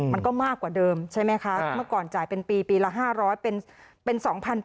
มันก็มากกว่าเดิมใช่ไหมคะเมื่อก่อนจ่ายเป็นปีปีละ๕๐๐เป็น๒๐๐